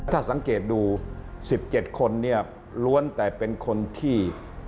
ถ้าสังเกตดู๑๗คนเนี่ยล้วนแต่เป็นคนที่